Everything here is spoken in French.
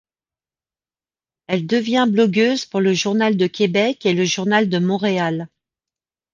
Elle devient blogueuse pour le journal de Québec et le journal de Montréal.